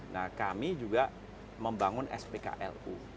nah kami juga membangun spklu